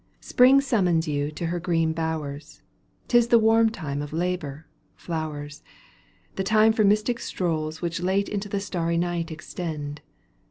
Spring summons you to her green bowers, 'Tis the warm time of labour, flowers ; The time for mystic strolls which late Into the starry night extend.